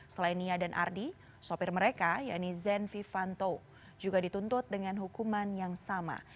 selain nia dan ardi sopir mereka yaitu zenvi fanto juga dituntut dengan hukuman yang sama